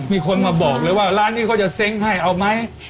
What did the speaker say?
มีคนมาบอกเลยว่าร้านนี้เขาจะเซ้งให้เอาไหม